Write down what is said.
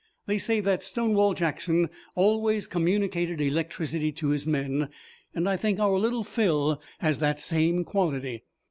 They say that Stonewall Jackson always communicated electricity to his men, and I think our Little Phil has the same quality.